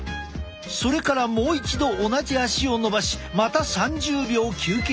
それからもう一度同じ足をのばしまた３０秒休憩するのだ。